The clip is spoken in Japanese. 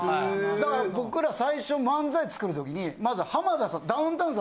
だから僕ら最初漫才作る時にまず浜田さん。